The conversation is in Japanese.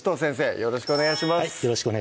よろしくお願いします